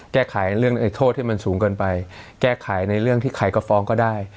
แก้ไขเรื่องโทษให้มันสูงเกินไปแก้ไขในเรื่องที่ใครก็ฟ้องก็ได้